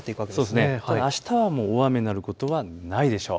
あしたは大雨になることはないでしょう。